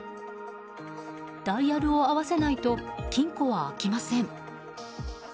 ダイヤルを合わせないと金庫は開きません。